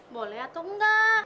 boleh atau enggak